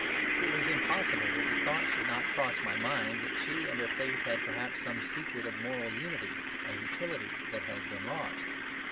It was impossible that the thought should not cross my mind that she and her faith had perhaps some secret of moral unity and utility that has been lost.